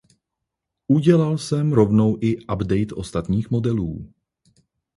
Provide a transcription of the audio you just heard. Udělal jsem rovnou i update ostatních modelů.